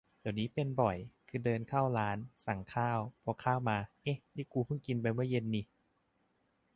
เดี๋ยวนี้เป็นบ่อย คือเดินเข้าร้าน สั่งข้าว พอข้าวมา เอ๊ะ นี่กูเพิ่งกินไปเมื่อเย็นนิ